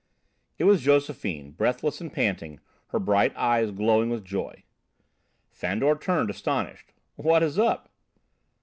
It was Josephine, breathless and panting, her bright eyes glowing with joy. Fandor turned, astonished. "What is up?"